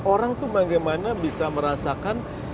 orang tuh bagaimana bisa merasakan